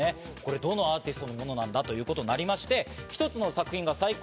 どのアーティストのものなんだということになりまして一つの作品が最高